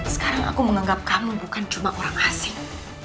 sekarang aku menganggap kamu bukan cuma orang asing